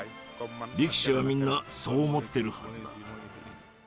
力士はみんなそう思ってるはずだ。